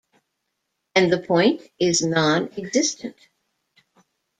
And the point is non-existent.